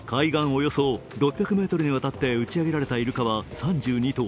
およそ６００ｍにわたって打ち上げられたいるかは３２頭。